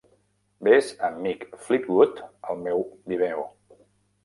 Ves a Mick Fleetwood al meu Vimeo.